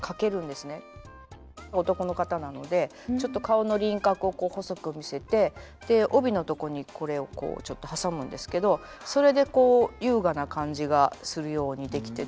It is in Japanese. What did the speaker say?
男の方なのでちょっと顔の輪郭を細く見せて帯のとこにこれをちょっと挟むんですけどそれでこう優雅な感じがするように出来てて。